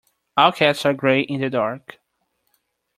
All cats are grey in the dark.